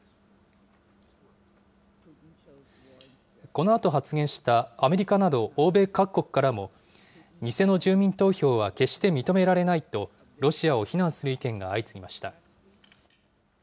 このあと発言したアメリカなど欧米各国からも、偽の住民投票は決して認められないと、ロシアを非難する意見が相次ぎました。